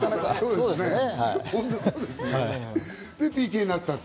で、ＰＫになった。